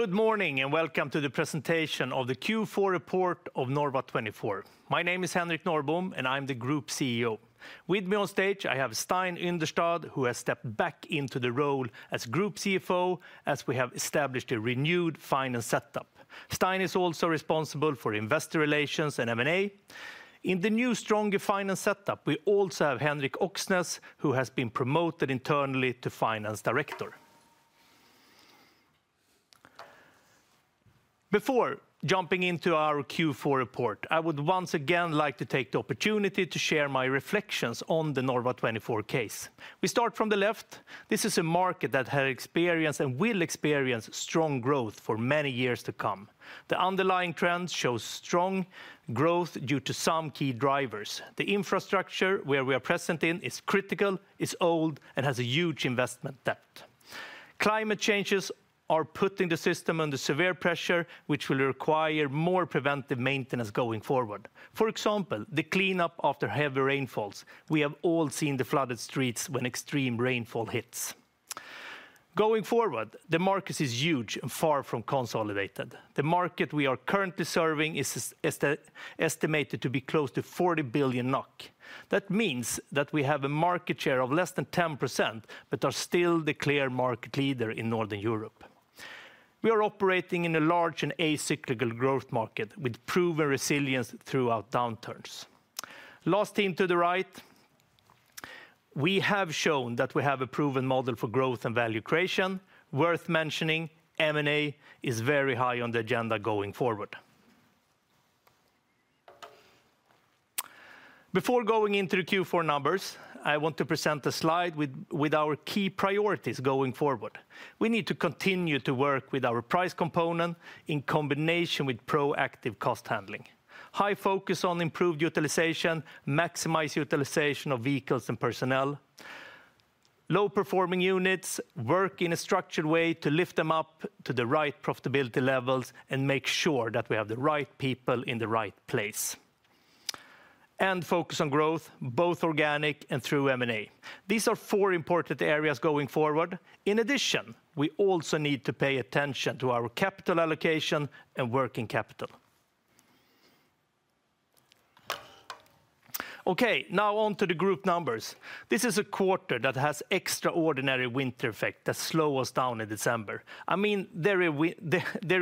Good morning and welcome to the presentation of the Q4 report of Norva24. My name is Henrik Norrbom, and I'm the Group CEO. With me on stage I have Stein Yndestad, who has stepped back into the role as Group CFO as we have established a renewed finance setup. Stein is also responsible for investor relations and M&A. In the new stronger finance setup we also have Henrik Oksnes, who has been promoted internally to Finance Director. Before jumping into our Q4 report, I would once again like to take the opportunity to share my reflections on the Norva24 case. We start from the left: this is a market that had experienced and will experience strong growth for many years to come. The underlying trend shows strong growth due to some key drivers. The infrastructure where we are present in is critical, is old, and has a huge investment debt. Climate changes are putting the system under severe pressure, which will require more preventive maintenance going forward. For example, the cleanup after heavy rainfalls - we have all seen the flooded streets when extreme rainfall hits. Going forward, the market is huge and far from consolidated. The market we are currently serving is estimated to be close to 40 billion NOK. That means that we have a market share of less than 10% but are still the clear market leader in Northern Europe. We are operating in a large and acyclical growth market with proven resilience throughout downturns. Last team to the right: we have shown that we have a proven model for growth and value creation. Worth mentioning, M&A is very high on the agenda going forward. Before going into the Q4 numbers, I want to present a slide with our key priorities going forward. We need to continue to work with our price component in combination with proactive cost handling. High focus on improved utilization, maximize utilization of vehicles and personnel. Low performing units work in a structured way to lift them up to the right profitability levels and make sure that we have the right people in the right place. And focus on growth, both organic and through M&A. These are four important areas going forward. In addition, we also need to pay attention to our capital allocation and working capital. Okay, now on to the group numbers. This is a quarter that has extraordinary winter effect that slow us down in December. I mean, there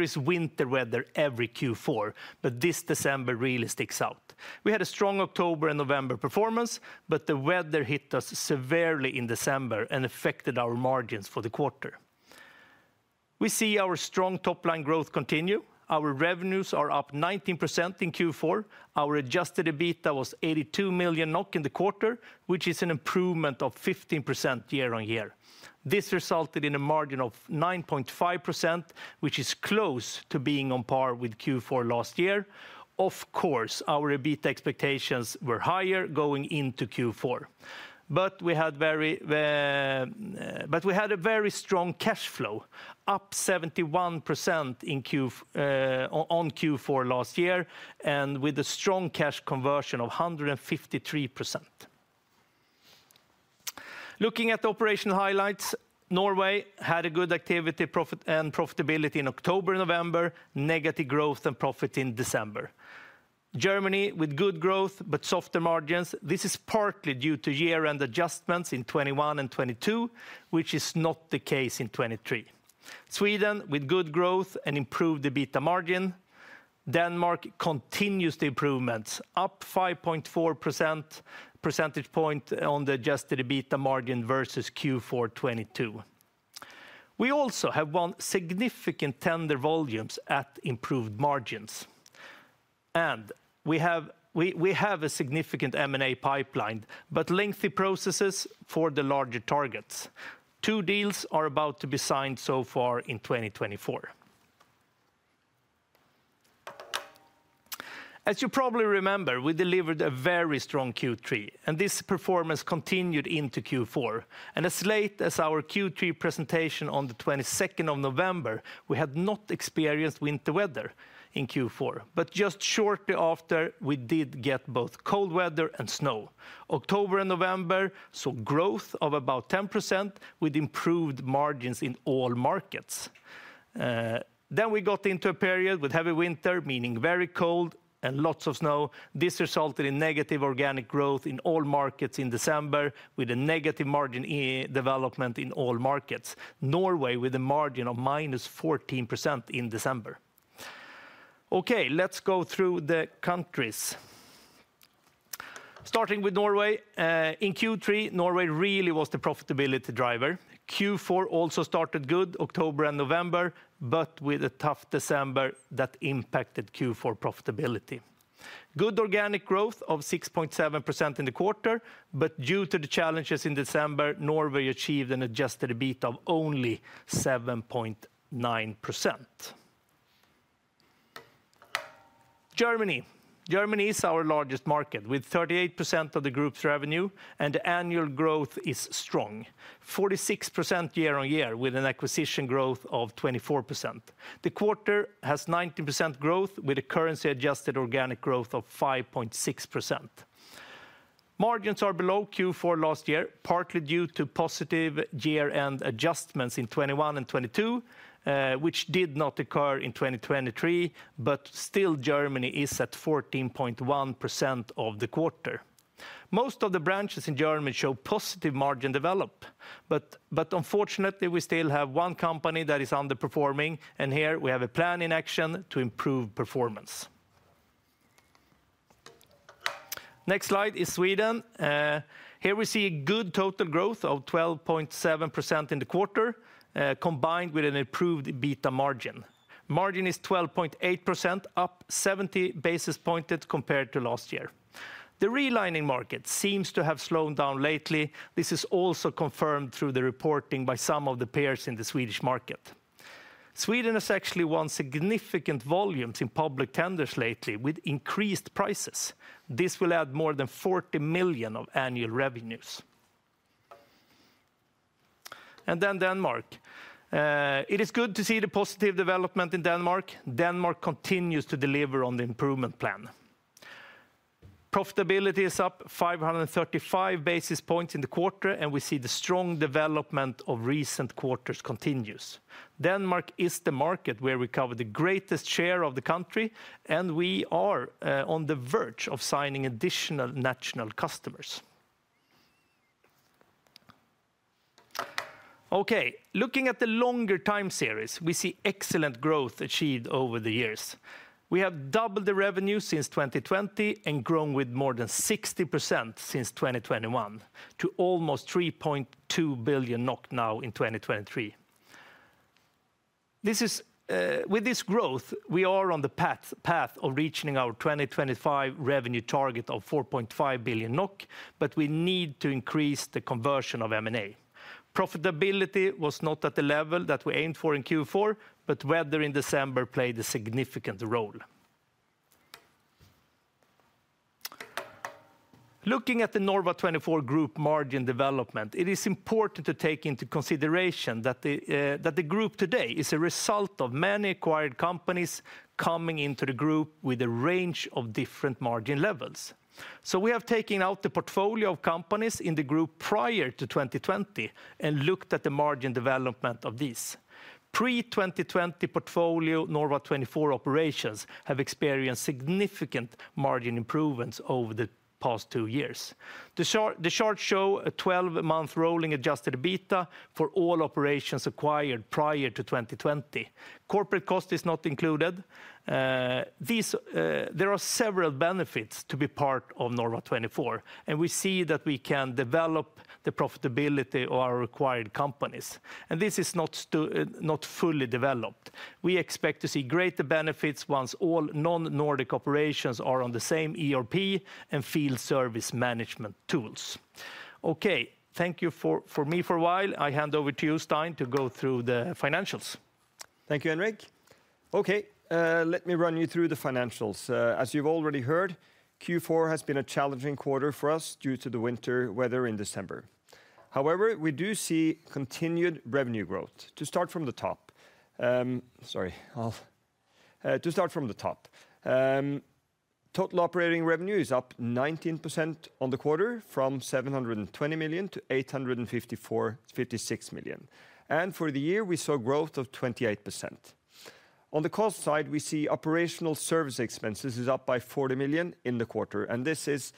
is winter weather every Q4, but this December really sticks out. We had a strong October and November performance, but the weather hit us severely in December and affected our margins for the quarter. We see our strong topline growth continue. Our revenues are up 19% in Q4. Our adjusted EBITDA was 82 million NOK in the quarter, which is an improvement of 15% year-on-year. This resulted in a margin of 9.5%, which is close to being on par with Q4 last year. Of course, our EBITDA expectations were higher going into Q4. But we had a very strong cash flow, up 71% on Q4 last year, and with a strong cash conversion of 153%. Looking at the operational highlights: Norway had a good activity and profitability in October and November, negative growth and profit in December. Germany with good growth but softer margins. This is partly due to year-end adjustments in 2021 and 2022, which is not the case in 2023. Sweden with good growth and improved EBITDA margin. Denmark continues the improvements, up 5.4% percentage point on the Adjusted EBITDA margin versus Q4 2022. We also have won significant tender volumes at improved margins. We have a significant M&A pipeline, but lengthy processes for the larger targets. Two deals are about to be signed so far in 2024. As you probably remember, we delivered a very strong Q3, and this performance continued into Q4. As late as our Q3 presentation on the 22nd of November, we had not experienced winter weather in Q4, but just shortly after we did get both cold weather and snow. October and November saw growth of about 10% with improved margins in all markets. Then we got into a period with heavy winter, meaning very cold and lots of snow. This resulted in negative organic growth in all markets in December with a negative margin development in all markets. Norway with a margin of -14% in December. Okay, let's go through the countries. Starting with Norway. In Q3, Norway really was the profitability driver. Q4 also started good, October and November, but with a tough December that impacted Q4 profitability. Good organic growth of 6.7% in the quarter, but due to the challenges in December, Norway achieved an Adjusted EBITDA of only 7.9%. Germany. Germany is our largest market with 38% of the group's revenue, and the annual growth is strong. 46% year-on-year with an acquisition growth of 24%. The quarter has 19% growth with a currency-adjusted organic growth of 5.6%. Margins are below Q4 last year, partly due to positive year-end adjustments in 2021 and 2022, which did not occur in 2023, but still Germany is at 14.1% of the quarter. Most of the branches in Germany show positive margin development, but unfortunately we still have one company that is underperforming, and here we have a plan in action to improve performance. Next slide is Sweden. Here we see a good total growth of 12.7% in the quarter, combined with an improved EBITDA margin. Margin is 12.8%, up 70 basis points compared to last year. The relining market seems to have slowed down lately. This is also confirmed through the reporting by some of the peers in the Swedish market. Sweden has actually won significant volumes in public tenders lately with increased prices. This will add more than 40 million of annual revenues. And then Denmark. It is good to see the positive development in Denmark. Denmark continues to deliver on the improvement plan. Profitability is up 535 basis points in the quarter, and we see the strong development of recent quarters continues. Denmark is the market where we cover the greatest share of the country, and we are on the verge of signing additional national customers. Okay, looking at the longer time series, we see excellent growth achieved over the years. We have doubled the revenue since 2020 and grown with more than 60% since 2021 to almost 3.2 billion NOK now in 2023. With this growth, we are on the path of reaching our 2025 revenue target of 4.5 billion NOK, but we need to increase the conversion of M&A. Profitability was not at the level that we aimed for in Q4, but weather in December played a significant role. Looking at the Norva24 Group margin development, it is important to take into consideration that the group today is a result of many acquired companies coming into the group with a range of different margin levels. So we have taken out the portfolio of companies in the group prior to 2020 and looked at the margin development of these. Pre-2020 portfolio Norva24 operations have experienced significant margin improvements over the past two years. The charts show a 12-month rolling Adjusted EBITDA for all operations acquired prior to 2020. Corporate cost is not included. There are several benefits to be part of Norva24, and we see that we can develop the profitability of our acquired companies. This is not fully developed. We expect to see greater benefits once all non-Nordic operations are on the same ERP and Field Service Management tools. Okay, thank you for me for a while. I hand over to you, Stein, to go through the financials. Thank you, Henrik. Okay, let me run you through the financials. As you've already heard, Q4 has been a challenging quarter for us due to the winter weather in December. However, we do see continued revenue growth. To start from the top, total operating revenue is up 19% on the quarter from 720 million to 856 million. For the year, we saw growth of 28%. On the cost side, we see operational service expenses are up by 40 million in the quarter, and this is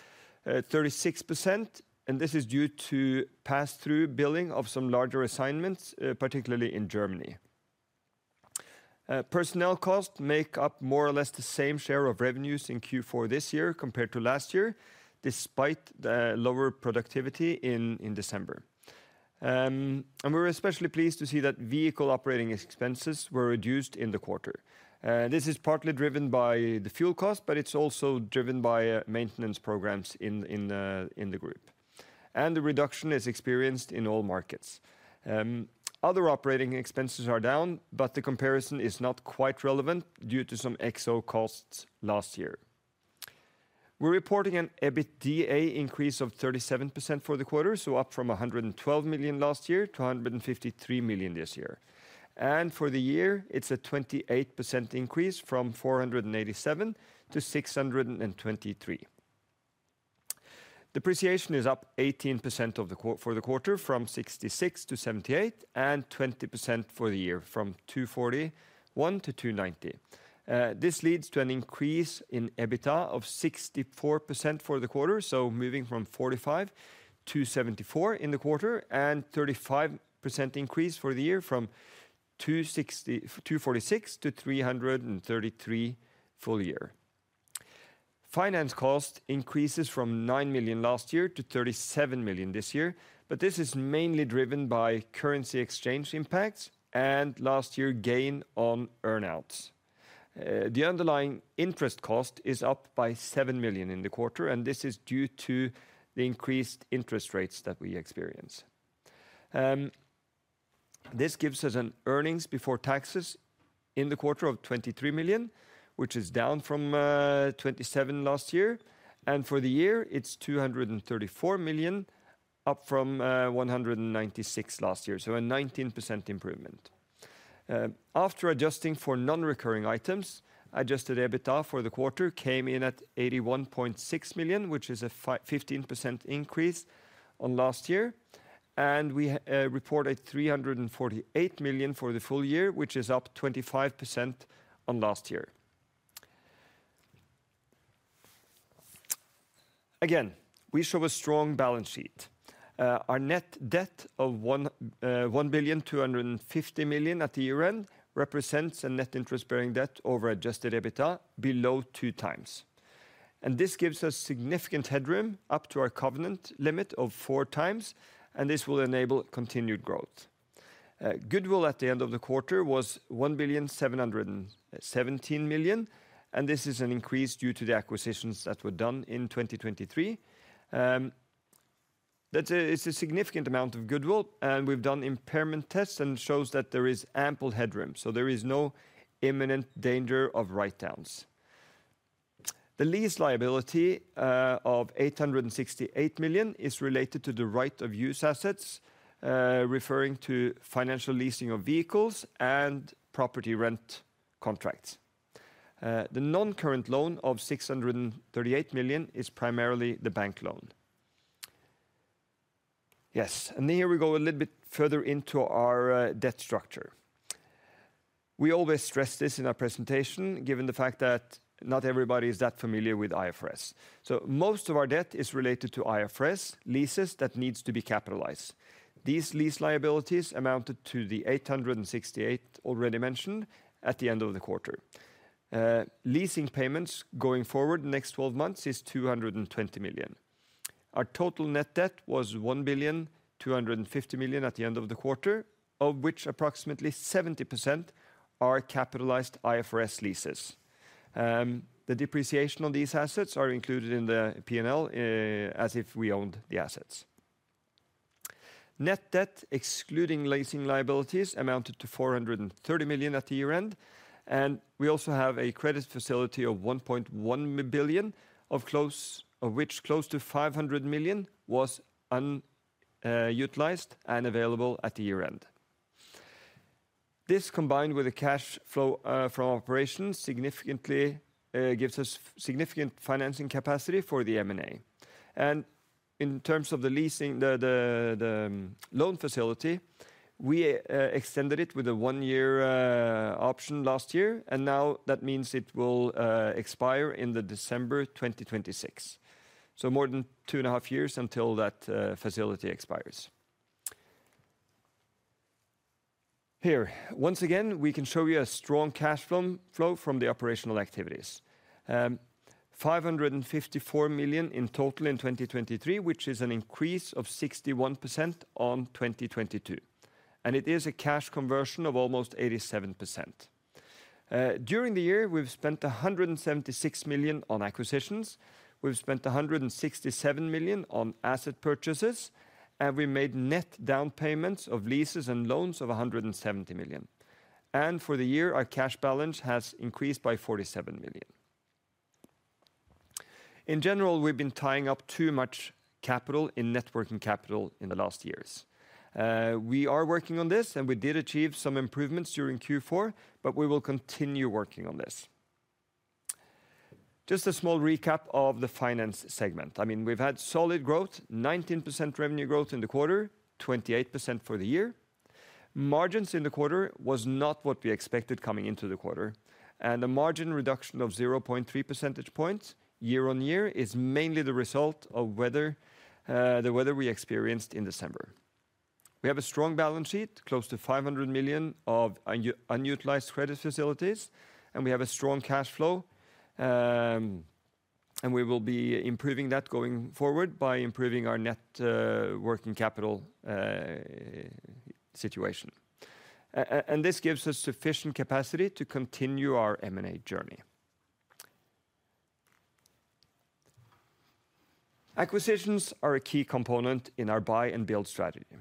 36%, and this is due to pass-through billing of some larger assignments, particularly in Germany. Personnel costs make up more or less the same share of revenues in Q4 this year compared to last year, despite the lower productivity in December. We're especially pleased to see that vehicle operating expenses were reduced in the quarter. This is partly driven by the fuel cost, but it's also driven by maintenance programs in the group. The reduction is experienced in all markets. Other operating expenses are down, but the comparison is not quite relevant due to some exo-costs last year. We're reporting an EBITDA increase of 37% for the quarter, so up from 112 million last year to 153 million this year. For the year, it's a 28% increase from 487 million to 623 million. Depreciation is up 18% for the quarter from 66 million to 78 million, and 20% for the year from 241 million to 290 million. This leads to an increase in EBIT of 64% for the quarter, so moving from 45 to 74 in the quarter, and a 35% increase for the year from 246 million to 333 million full year. Finance costs increases from 9 million last year to 37 million this year, but this is mainly driven by currency exchange impacts and last year's gain on earnouts. The underlying interest cost is up by 7 million in the quarter, and this is due to the increased interest rates that we experience. This gives us an earnings before taxes in the quarter of 23 million, which is down from 27 million last year. And for the year, it's 234 million, up from 196 million last year, so a 19% improvement. After adjusting for non-recurring items, adjusted EBITDA for the quarter came in at 81.6 million, which is a 15% increase on last year. And we reported 348 million for the full year, which is up 25% on last year. Again, we show a strong balance sheet. Our net debt of 1,250 million at the year-end represents a net interest-bearing debt over Adjusted EBITDA below 2x. This gives us significant headroom up to our covenant limit of 4x, and this will enable continued growth. Goodwill at the end of the quarter was 1,717 million, and this is an increase due to the acquisitions that were done in 2023. It's a significant amount of goodwill, and we've done impairment tests and shows that there is ample headroom. There is no imminent danger of write-downs. The lease liability of 868 million is related to the right of use assets, referring to financial leasing of vehicles and property rent contracts. The non-current loan of 638 million is primarily the bank loan. Yes, and here we go a little bit further into our debt structure. We always stress this in our presentation, given the fact that not everybody is that familiar with IFRS. So most of our debt is related to IFRS leases that need to be capitalized. These lease liabilities amounted to 868 million already mentioned at the end of the quarter. Leasing payments going forward the next 12 months is 220 million. Our total net debt was 1.25 billion at the end of the quarter, of which approximately 70% are capitalized IFRS leases. The depreciation on these assets is included in the P&L as if we owned the assets. Net debt excluding leasing liabilities amounted to 430 million at the year-end. We also have a credit facility of 1.1 billion, of which close to 500 million was unutilized and available at the year-end. This, combined with the cash flow from operations, significantly gives us significant financing capacity for the M&A. In terms of the loan facility, we extended it with a 1-year option last year, and now that means it will expire in December 2026. More than 2.5 years until that facility expires. Here, once again, we can show you a strong cash flow from the operational activities. 554 million in total in 2023, which is an increase of 61% on 2022. It is a cash conversion of almost 87%. During the year, we've spent 176 million on acquisitions. We've spent 167 million on asset purchases, and we made net down payments of leases and loans of 170 million. For the year, our cash balance has increased by 47 million. In general, we've been tying up too much capital in net working capital in the last years. We are working on this, and we did achieve some improvements during Q4, but we will continue working on this. Just a small recap of the finance segment. I mean, we've had solid growth, 19% revenue growth in the quarter, 28% for the year. Margins in the quarter were not what we expected coming into the quarter. The margin reduction of 0.3 percentage points year-on-year is mainly the result of the weather we experienced in December. We have a strong balance sheet, close to 500 million of unutilized credit facilities, and we have a strong cash flow. We will be improving that going forward by improving our net working capital situation. This gives us sufficient capacity to continue our M&A journey. Acquisitions are a key component in our buy and build strategy.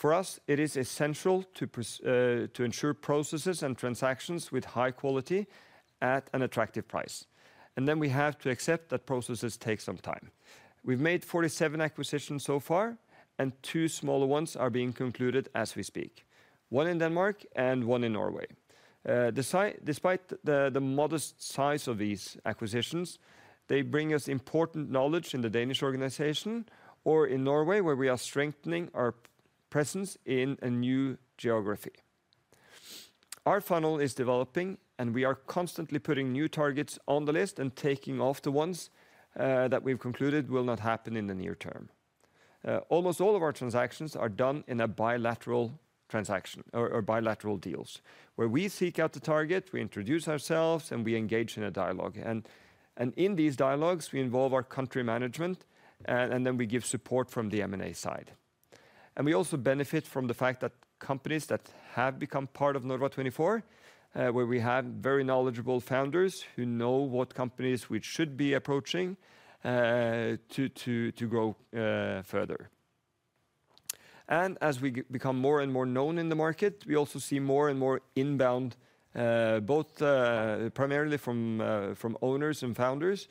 For us, it is essential to ensure processes and transactions with high quality at an attractive price. And then we have to accept that processes take some time. We've made 47 acquisitions so far, and two smaller ones are being concluded as we speak. One in Denmark and one in Norway. Despite the modest size of these acquisitions, they bring us important knowledge in the Danish organization or in Norway, where we are strengthening our presence in a new geography. Our funnel is developing, and we are constantly putting new targets on the list and taking off the ones that we've concluded will not happen in the near term. Almost all of our transactions are done in bilateral deals, where we seek out the target, we introduce ourselves, and we engage in a dialogue. In these dialogues, we involve our country management, and then we give support from the M&A side. And we also benefit from the fact that companies that have become part of Norva24, where we have very knowledgeable founders who know what companies we should be approaching to grow further. And as we become more and more known in the market, we also see more and more inbound, primarily from owners and founders,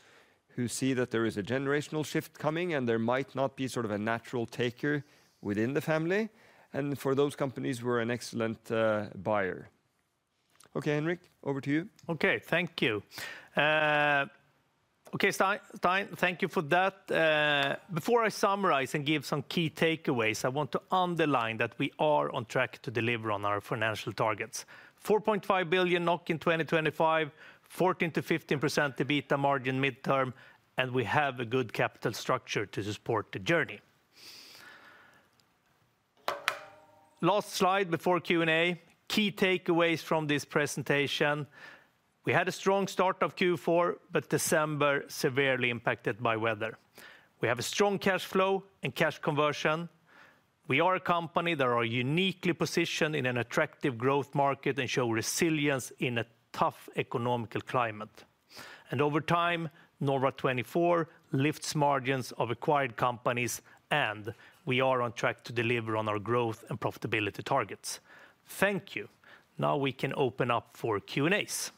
who see that there is a generational shift coming, and there might not be sort of a natural taker within the family. And for those companies, we're an excellent buyer. Okay, Henrik, over to you. Okay, thank you. Okay, Stein, thank you for that. Before I summarize and give some key takeaways, I want to underline that we are on track to deliver on our financial targets. 4.5 billion NOK in 2025, 14%-15% EBITDA margin midterm, and we have a good capital structure to support the journey. Last slide before Q&A. Key takeaways from this presentation. We had a strong start of Q4, but December severely impacted by weather. We have a strong cash flow and cash conversion. We are a company that is uniquely positioned in an attractive growth market and shows resilience in a tough economic climate. And over time, Norva24 lifts margins of acquired companies, and we are on track to deliver on our growth and profitability targets. Thank you. Now we can open up for Q&As.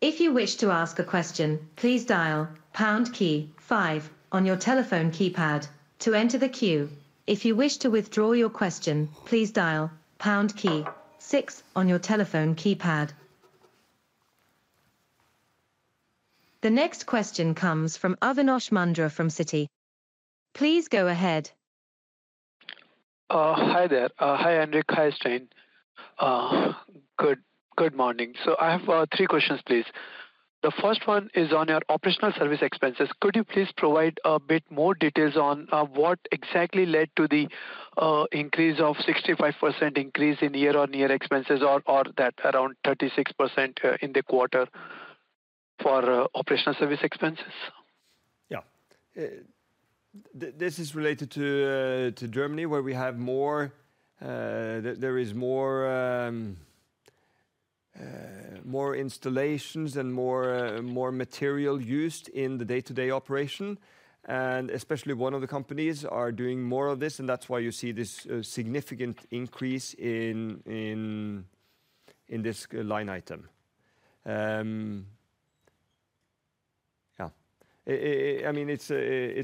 If you wish to ask a question, please dial pound key 5 on your telephone keypad to enter the queue. If you wish to withdraw your question, please dial pound key 6 on your telephone keypad. The next question comes from Avinash Chandra from Citi. Please go ahead. Hi there. Hi Henrik. Hi Stein. Good morning. So I have three questions, please. The first one is on your operational service expenses. Could you please provide a bit more details on what exactly led to the increase of 65% increase in year-on-year expenses or that around 36% in the quarter for operational service expenses? Yeah. This is related to Germany, where we have more installations and more material used in the day-to-day operation. And especially one of the companies is doing more of this, and that's why you see this significant increase in this line item. Yeah. I mean, it's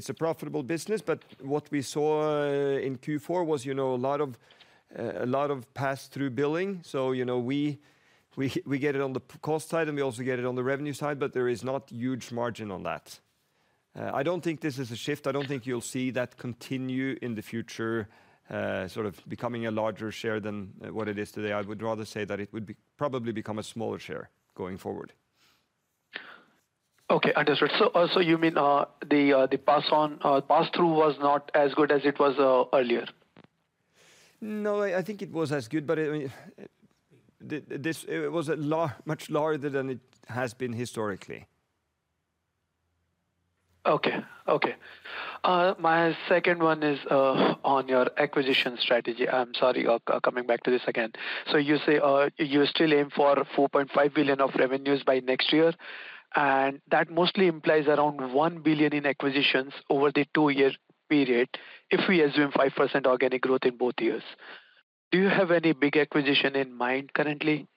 a profitable business, but what we saw in Q4 was a lot of pass-through billing. So we get it on the cost side, and we also get it on the revenue side, but there is not a huge margin on that. I don't think this is a shift. I don't think you'll see that continue in the future, sort of becoming a larger share than what it is today. I would rather say that it would probably become a smaller share going forward. Okay, I understand. So you mean the pass-through was not as good as it was earlier? No, I think it was as good, but it was much larger than it has been historically. Okay. Okay. My second one is on your acquisition strategy. I'm sorry, coming back to this again. So you say you still aim for 4.5 billion in revenues by next year. And that mostly implies around 1 billion in acquisitions over the two-year period if we assume 5% organic growth in both years. Do you have any big acquisition in mind currently?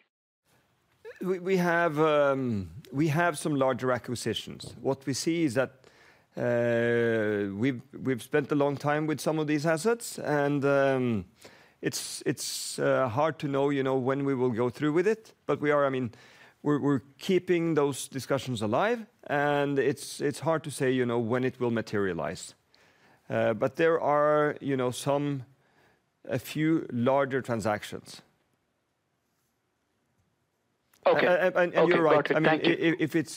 We have some larger acquisitions. What we see is that we've spent a long time with some of these assets, and it's hard to know when we will go through with it. But we are keeping those discussions alive, and it's hard to say when it will materialize. But there are a few larger transactions. And you're right. I mean,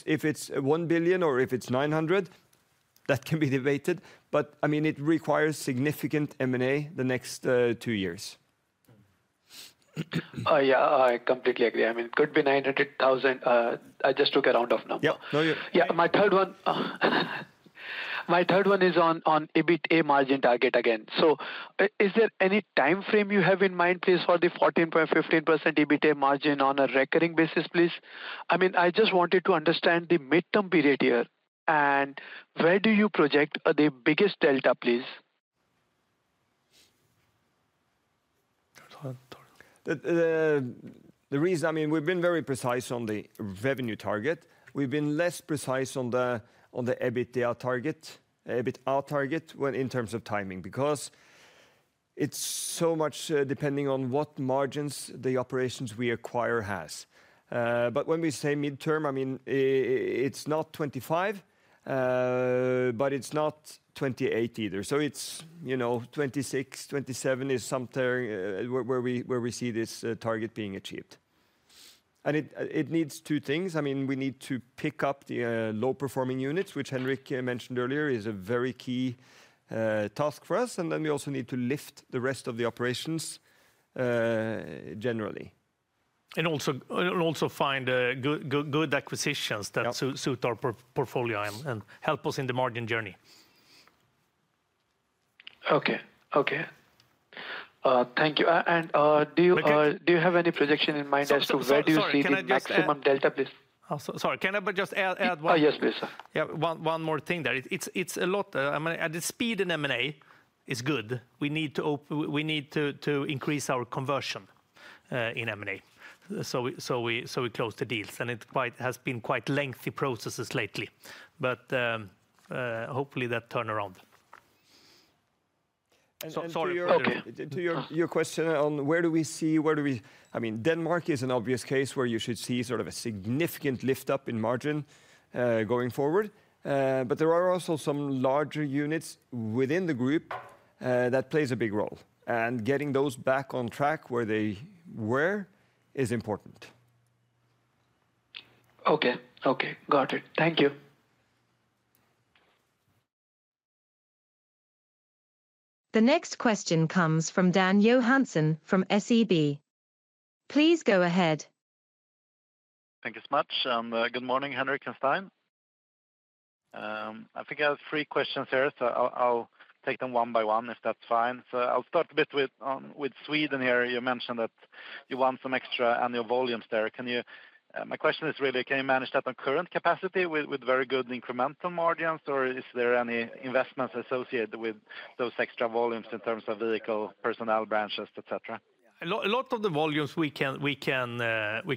if it's 1 billion or if it's 900 million, that can be debated. But I mean, it requires significant M&A the next two years. Yeah, I completely agree. I mean, it could be 900,000. I just took a round-off number. Yeah. No, you're right. Yeah, my third one is on EBITDA margin target again. So is there any time frame you have in mind, please, for the 14.15% EBITDA margin on a recurring basis, please? I mean, I just wanted to understand the midterm period here. And where do you project the biggest delta, please? The reason, I mean, we've been very precise on the revenue target. We've been less precise on the EBITDA target, EBITDA target, in terms of timing because it's so much depending on what margins the operations we acquire have. But when we say midterm, I mean, it's not 25, but it's not 28 either. So 26-27 is somewhere where we see this target being achieved. And it needs two things. I mean, we need to pick up the low-performing units, which Henrik mentioned earlier is a very key task for us. And then we also need to lift the rest of the operations generally. Also find good acquisitions that suit our portfolio and help us in the margin journey. Okay. Okay. Thank you. And do you have any projection in mind as to where do you see the maximum delta, please? Sorry, can I just add one? Yes, please. Yeah, one more thing there. It's a lot. I mean, the speed in M&A is good. We need to increase our conversion in M&A so we close the deals. And it has been quite lengthy processes lately. But hopefully, that turnaround. Sorry. To your question on where do we see, I mean, Denmark is an obvious case where you should see sort of a significant lift-up in margin going forward. But there are also some larger units within the group that play a big role. Getting those back on track where they were is important. Okay. Okay. Got it. Thank you. The next question comes from Dan Johansson from SEB. Please go ahead. Thank you so much. Good morning, Henrik and Stein. I think I have three questions here, so I'll take them one by one if that's fine. So I'll start a bit with Sweden here. You mentioned that you want some extra annual volumes there. My question is really, can you manage that on current capacity with very good incremental margins, or is there any investments associated with those extra volumes in terms of vehicle, personnel, branches, etc.? A lot of the volumes, we can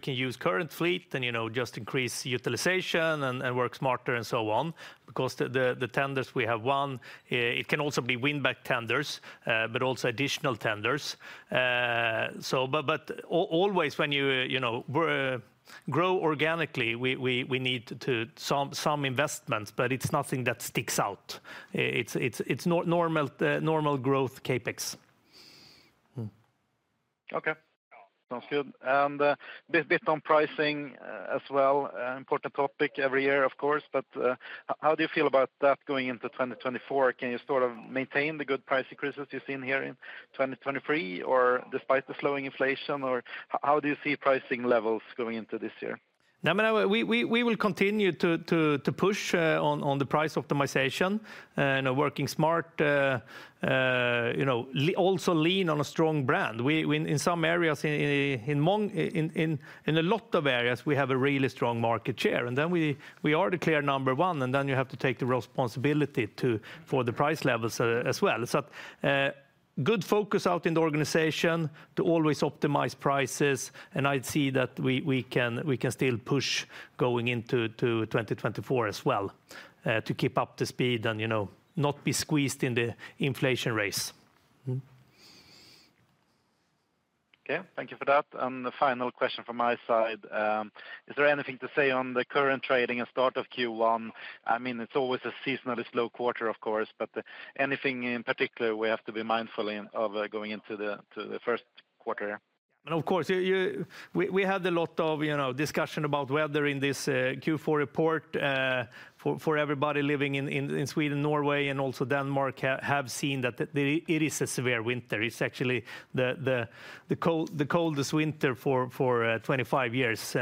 use current fleet and just increase utilization and work smarter and so on because the tenders we have won, it can also be win-back tenders, but also additional tenders. But always, when you grow organically, we need some investments, but it's nothing that sticks out. It's normal growth CAPEX. Okay. Sounds good. And a bit on pricing as well. Important topic every year, of course. But how do you feel about that going into 2024? Can you sort of maintain the good price increases you've seen here in 2023, or despite the slowing inflation, or how do you see pricing levels going into this year? I mean, we will continue to push on the price optimization, working smart, also lean on a strong brand. In some areas, in a lot of areas, we have a really strong market share. And then we are declared number one, and then you have to take the responsibility for the price levels as well. So good focus out in the organization to always optimize prices. And I'd see that we can still push going into 2024 as well to keep up the speed and not be squeezed in the inflation race. Okay. Thank you for that. And the final question from my side. Is there anything to say on the current trading and start of Q1? I mean, it's always a seasonally slow quarter, of course. But anything in particular we have to be mindful of going into the first quarter here? Of course. We had a lot of discussion about weather in this Q4 report. For everybody living in Sweden, Norway, and also Denmark, have seen that it is a severe winter. It's actually the coldest winter for 25 years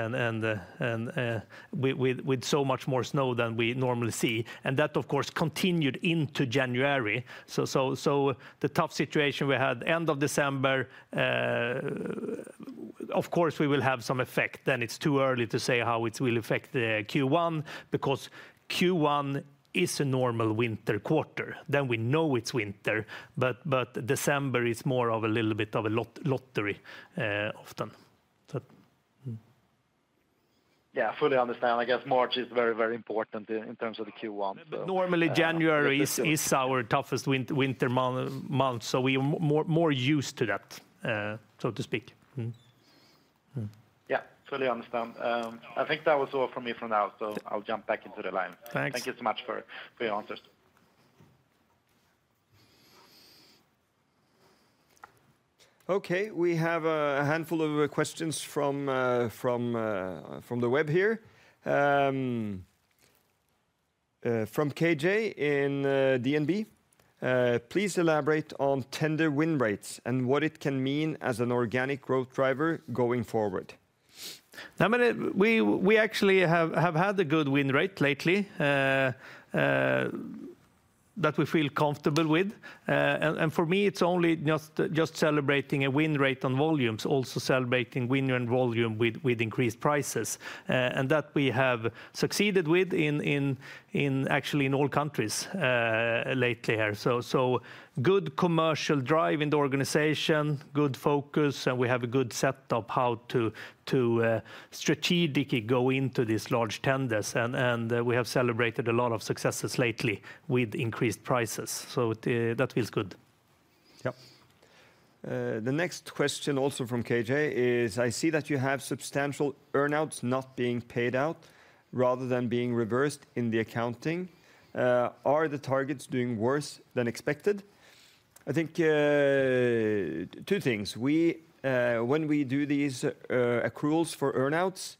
with so much more snow than we normally see. And that, of course, continued into January. So the tough situation we had end of December, of course, we will have some effect. Then it's too early to say how it will affect Q1 because Q1 is a normal winter quarter. Then we know it's winter. But December is more of a little bit of a lottery often. Yeah, I fully understand. I guess March is very, very important in terms of the Q1. Normally, January is our toughest winter month. So we're more used to that, so to speak. Yeah, fully understand. I think that was all from me for now. So I'll jump back into the line. Thank you so much for your answers. Okay. We have a handful of questions from the web here. From KJ in DNB. Please elaborate on tender win rates and what it can mean as an organic growth driver going forward. I mean, we actually have had a good win rate lately that we feel comfortable with. For me, it's only just celebrating a win rate on volumes, also celebrating winning on volume with increased prices. That we have succeeded with actually in all countries lately here. Good commercial drive in the organization, good focus, and we have a good set of how to strategically go into these large tenders. We have celebrated a lot of successes lately with increased prices. That feels good. Yeah. The next question also from KJ is, I see that you have substantial earnouts not being paid out rather than being reversed in the accounting. Are the targets doing worse than expected? I think two things. When we do these accruals for earnouts,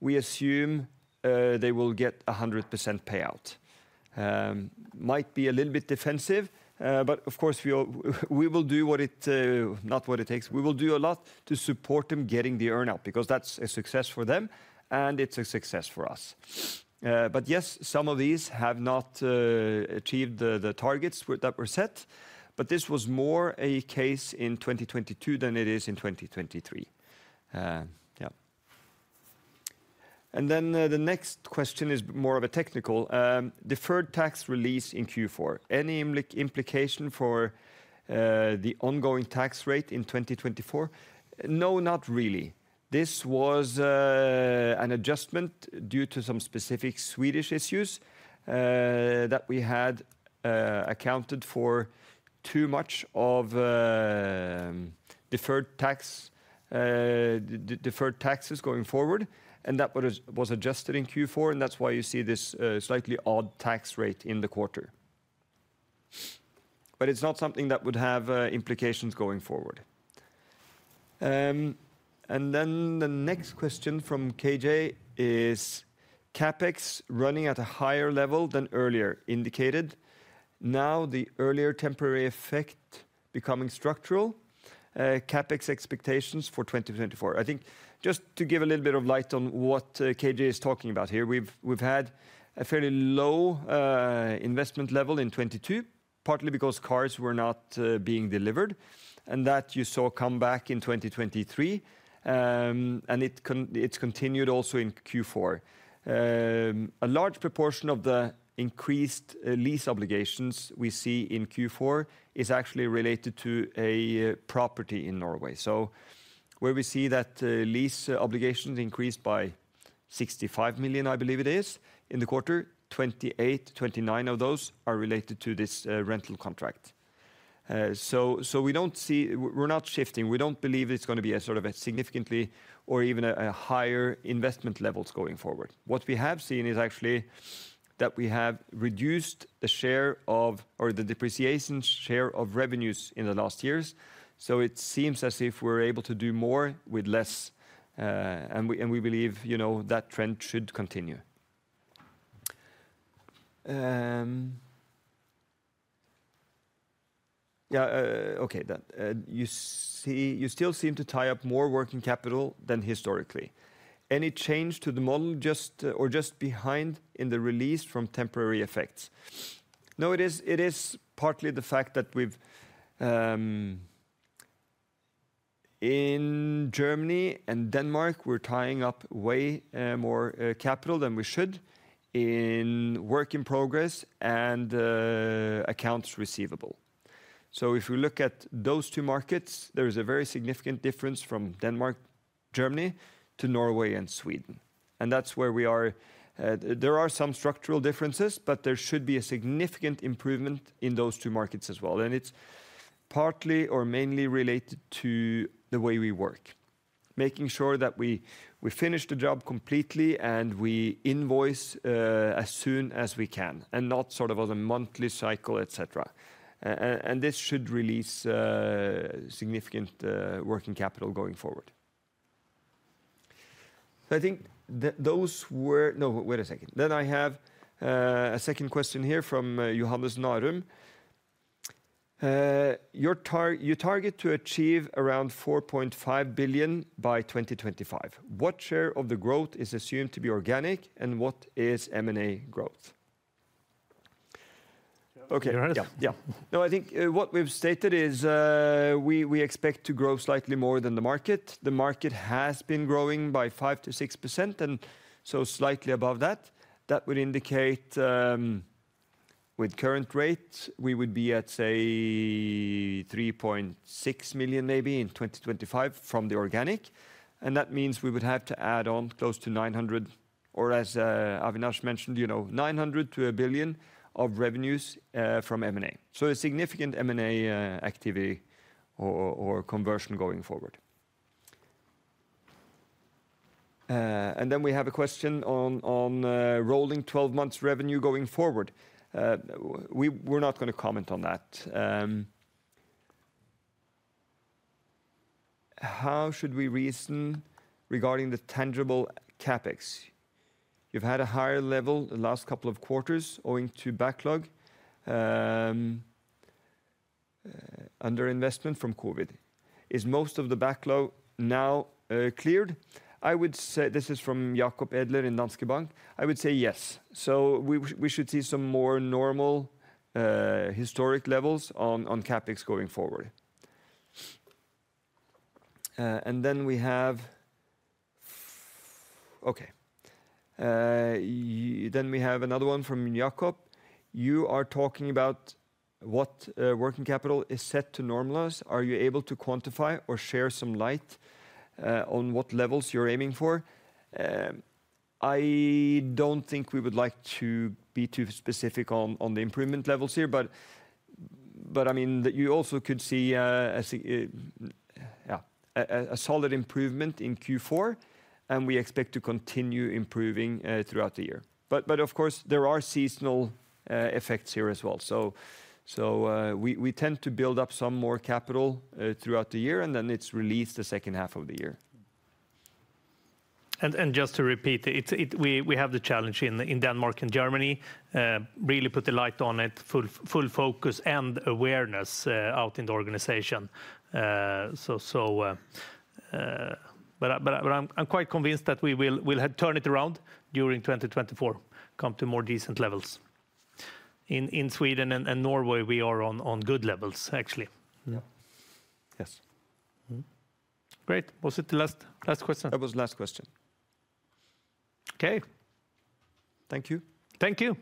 we assume they will get 100% payout. Might be a little bit defensive, but of course, we will do what it takes. We will do a lot to support them getting the earnout because that's a success for them, and it's a success for us. But yes, some of these have not achieved the targets that were set. But this was more a case in 2022 than it is in 2023. Yeah. And then the next question is more of a technical. Deferred tax release in Q4. Any implication for the ongoing tax rate in 2024? No, not really. This was an adjustment due to some specific Swedish issues that we had accounted for too much of deferred taxes going forward. That was adjusted in Q4, and that's why you see this slightly odd tax rate in the quarter. But it's not something that would have implications going forward. Then the next question from KJ is, CAPEX running at a higher level than earlier indicated. Now the earlier temporary effect becoming structural. CAPEX expectations for 2024. I think just to give a little bit of light on what KJ is talking about here, we've had a fairly low investment level in 2022, partly because cars were not being delivered. That you saw come back in 2023. It's continued also in Q4. A large proportion of the increased lease obligations we see in Q4 is actually related to a property in Norway. So where we see that lease obligations increased by 65 million, I believe it is, in the quarter, 28 or 29 of those are related to this rental contract. So we don't see we're not shifting. We don't believe it's going to be sort of significantly or even a higher investment levels going forward. What we have seen is actually that we have reduced the share of or the depreciation share of revenues in the last years. So it seems as if we're able to do more with less. And we believe that trend should continue. Yeah. Okay. You still seem to tie up more working capital than historically. Any change to the model or just behind in the release from temporary effects? No, it is partly the fact that in Germany and Denmark, we're tying up way more capital than we should in work in progress and accounts receivable. So if we look at those two markets, there is a very significant difference from Denmark, Germany, to Norway and Sweden. And that's where we are; there are some structural differences, but there should be a significant improvement in those two markets as well. And it's partly or mainly related to the way we work, making sure that we finish the job completely and we invoice as soon as we can and not sort of on a monthly cycle, etc. And this should release significant working capital going forward. So I think those were no, wait a second. Then I have a second question here from Johannes Narum. You target to achieve around 4.5 billion by 2025. What share of the growth is assumed to be organic, and what is M&A growth? Okay. Yeah. No, I think what we've stated is we expect to grow slightly more than the market. The market has been growing by 5%-6% and so slightly above that. That would indicate with current rate, we would be at, say, 3.6 million maybe in 2025 from the organic. And that means we would have to add on close to 900 or, as Avinash mentioned, 900 million-1 billion of revenues from M&A. So a significant M&A activity or conversion going forward. And then we have a question on rolling 12-month revenue going forward. We're not going to comment on that. How should we reason regarding the tangible CapEx? You've had a higher level the last couple of quarters owing to backlog under investment from COVID. Is most of the backlog now cleared? This is from Jakob Edler in Danske Bank. I would say yes. So we should see some more normal historic levels on CapEx going forward. And then we have okay. Then we have another one from Jakob. You are talking about what working capital is set to normalize. Are you able to quantify or shed some light on what levels you're aiming for? I don't think we would like to be too specific on the improvement levels here. But I mean, you also could see a solid improvement in Q4, and we expect to continue improving throughout the year. But of course, there are seasonal effects here as well. So we tend to build up some more capital throughout the year, and then it's released the second half of the year. And just to repeat, we have the challenge in Denmark and Germany. Really put the light on it, full focus, and awareness out in the organization. But I'm quite convinced that we will turn it around during 2024, come to more decent levels. In Sweden and Norway, we are on good levels, actually. Yes. Great. Was it the last question? That was the last question. Okay. Thank you. Thank you.